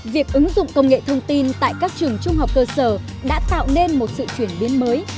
việc ứng dụng công nghệ thông tin tại các trường trung học cơ sở đã tạo nên một sự chuyển biến mới